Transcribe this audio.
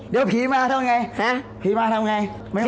เดี๋ยวผีมาทำไง